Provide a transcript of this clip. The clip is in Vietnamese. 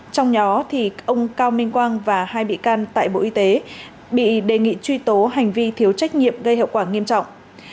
trong đó ông cao minh quang và hai bị can tại bộ y tế bị đề nghị truy tố hành vi thiếu trách nhiệm gây hậu quả nghiêm trọng